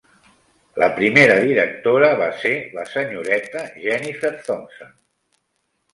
La primera directora va ser la senyoreta Jennifer Thompson.